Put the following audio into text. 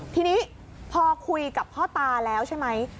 ทีนี้พอคุยกับพ่อตาแล้วใช่ไหม